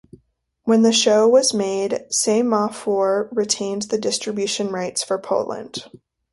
When the show was made, Se-Ma-For retained the distribution rights for Poland.